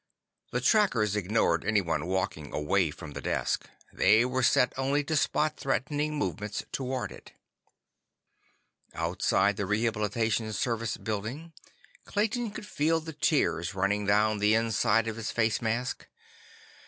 The trackers ignored anyone walking away from the desk; they were set only to spot threatening movements toward it. Outside the Rehabilitation Service Building, Clayton could feel the tears running down the inside of his face mask.